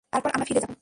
তারপর আমরা ফিরে যাব।